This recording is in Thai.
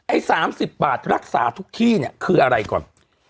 ๓๐บาทรักษาทุกที่เนี่ยคืออะไรก่อน